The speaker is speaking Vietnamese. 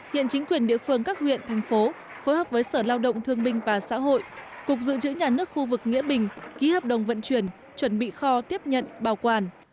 hiện chính quyền địa phương các huyện thành phố phối hợp với sở lao động thương binh và xã hội cục dự trữ nhà nước khu vực nghĩa bình ký hợp đồng vận chuyển chuẩn bị kho tiếp nhận bảo quản